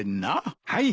はい。